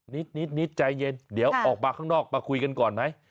นิดใจเย็นเดี๋ยวออกมาข้างนอกมาคุยกันก่อนไหม